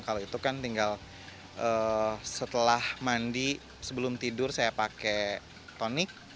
kalau itu kan tinggal setelah mandi sebelum tidur saya pakai tonic